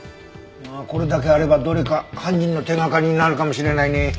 これだけあればどれか犯人の手掛かりになるかもしれないね。